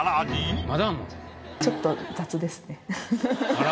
あら。